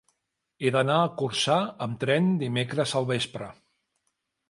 He d'anar a Corçà amb tren dimecres al vespre.